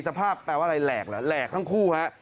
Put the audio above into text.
สภาพแปลว่าอะไรแหลกหล่ะแหลกทั้งคู่ครับ